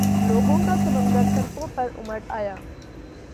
لوگوں کا سمندر سڑکوں پہ امڈآیا۔